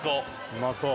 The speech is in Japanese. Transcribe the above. うまそう！